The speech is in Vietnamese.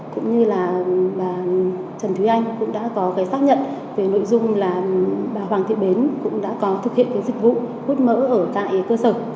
cũng như là bà trần thúy anh cũng đã có cái xác nhận về nội dung là bà hoàng thị bến cũng đã có thực hiện cái dịch vụ wh mỡ ở tại cơ sở